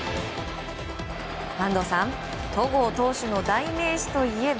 安藤さん、戸郷投手の代名詞といえば？